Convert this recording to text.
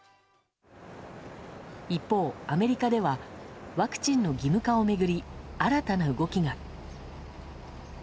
一方、アメリカではワクチンの義務化を巡り新たな動きが。